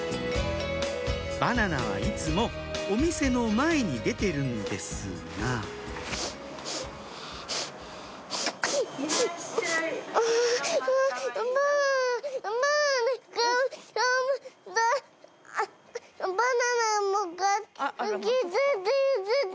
バナナはいつもお店の前に出てるんですがバ。